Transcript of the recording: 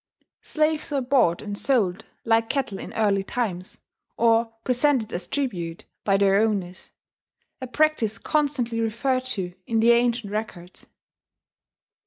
Slaves were bought and sold like cattle in early times, or presented as tribute by their owners, a practice constantly referred to in the ancient records.